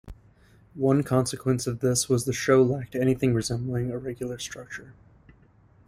One consequence of this was that the show lacked anything resembling a regular structure.